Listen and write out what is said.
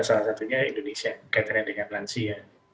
salah satunya indonesia sekatarnya dengan melansia